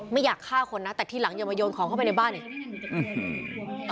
ไม่อยากฆ่าคนนะแต่ทีหลังอย่ามาโยนของเข้าไปในบ้านอีกอืม